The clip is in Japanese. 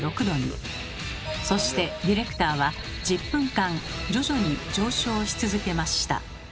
そしてディレクターは１０分間徐々に上昇し続けました。